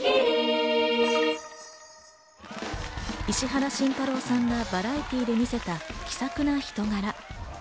石原慎太郎さんがバラエティーで見せた気さくな人柄。